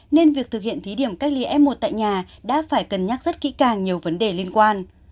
nên việc thực hiện thí điểm cách ly f một tại nhà đã phải cân nhắc rất kỹ càng nhiều vấn đề liên quan